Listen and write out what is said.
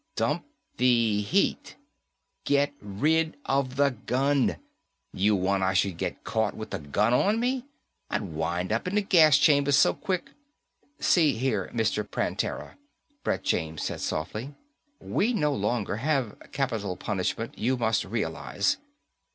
"Dump the heat?" "Get rid of the gun. You want I should get caught with the gun on me? I'd wind up in the gas chamber so quick " "See here, Mr. Prantera," Brett James said softly. "We no longer have capital punishment, you must realize."